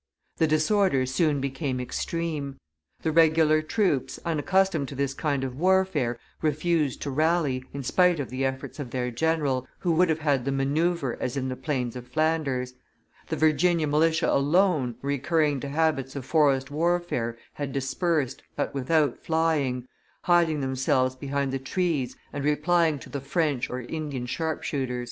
The disorder soon became extreme. The regular troops, unaccustomed to this kind of warfare, refused to rally, in spite of the efforts of their general, who would have had them manoeuvre as in the plains of Flanders; the Virginia militia alone, recurring to habits of forest warfare, had dispersed, but without flying, hiding themselves behind the trees, and replying to the French or Indian sharpshooters.